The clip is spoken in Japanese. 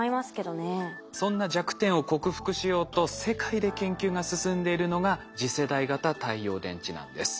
そんな弱点を克服しようと世界で研究が進んでいるのが次世代型太陽電池なんです。